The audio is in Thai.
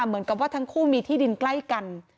เหมือนกับว่าทั้งคู่มีที่ดินใกล้กัน